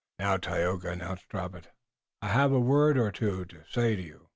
"Now, Tayoga," announced Robert, "I have a word or two to say to you."